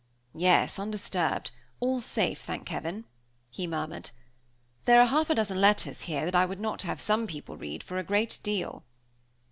"Yes, undisturbed; all safe, thank heaven!" he murmured. "There are half a dozen letters here that I would not have some people read for a great deal."